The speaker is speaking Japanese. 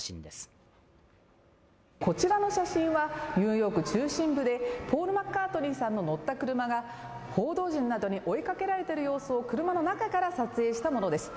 岡村かこちらの写真はニューヨーク中心部でポール・マッカートニーさんの乗った車が報道陣などに追いかけられている様子を車の中から撮影したものです。